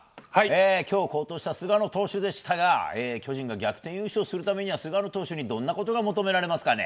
今日、好投した菅野投手でしたが巨人が逆転優勝するためには菅野投手にどんなことが求められますかね。